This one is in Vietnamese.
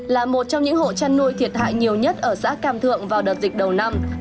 là một trong những hộ chăn nuôi thiệt hại nhiều nhất ở xã cam thượng vào đợt dịch đầu năm